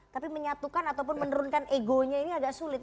tapi menyatukan ataupun menurunkan egonya ini agak sulit